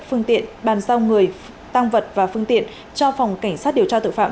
phương tiện bàn sao người tăng vật và phương tiện cho phòng cảnh sát điều tra tự phạm